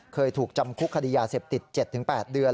เคยถูกจำคุกคดียาเสพติด๗๘เดือน